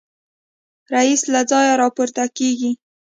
رییس له ځایه راپورته کېږي.